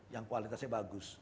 yang kualitasnya bagus